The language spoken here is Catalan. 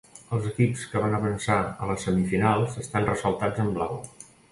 Els equips que van avançar a les semifinals estan ressaltats en blau.